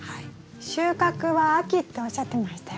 収穫は秋っておっしゃってましたよね？